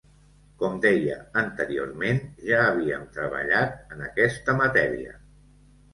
Com deia, anteriorment ja havíem treballat en aquesta matèria.